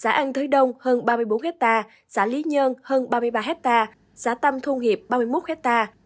xã an thới đông hơn ba mươi bốn hectare xã lý nhơn hơn ba mươi ba hectare xã tâm thu hiệp ba mươi một hectare